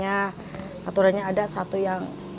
aturannya ada satu yang